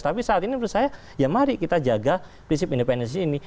tapi saat ini menurut saya ya mari kita jaga prinsip independensi ini